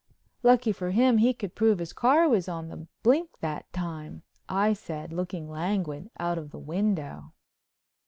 "Lucky for him he could prove his car was on the blink that time," I said, looking languid out of the window.